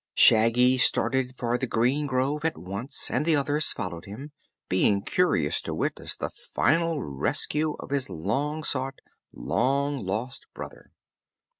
Shaggy started for the green grove at once, and the others followed him, being curious to witness the final rescue of his long sought, long lost brother.